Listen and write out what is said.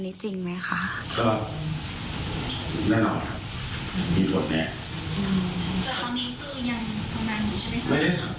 ไม่ได้ครับ